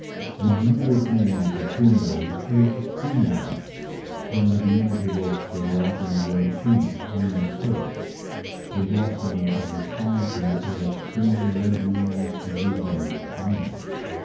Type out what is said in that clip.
The generic name of the primrose is Primula from the diminutive of the Latin word Primus, meaning first. The blossoming of the plants in the early spring led Linnæus to give them this name.